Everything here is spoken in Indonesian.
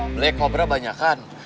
black cobra banyak kan